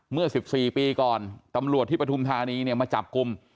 เมื่อ๑๔ปีก่อนตำรวจที่ปฐุมธานีเนี่ยมาจับกลุ่ม